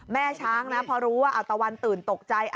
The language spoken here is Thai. แม่ช้างนะพอรู้ว่าเอาตะวันตื่นตกใจ